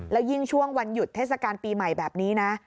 แล้วยิ่งช่วงวันหยุดเทศกาลปีใหม่แบบนี้นะ